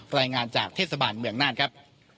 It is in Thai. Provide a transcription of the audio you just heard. รายงานจากเทศบาลเมืองน่านครับ